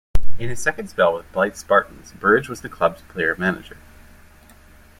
In his second spell with Blyth Spartans, Burridge was the club's player-manager.